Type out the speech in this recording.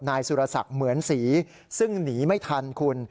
นายสุรศักดิ์เหมือนศรีซึ่งหนีไม่ทันคุณ